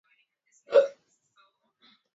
Idara hiyo ilianzishwa mwaka elfu mbili kumi na nane